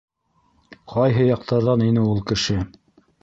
Ҡайһы яҡтарҙан ине ул кеше?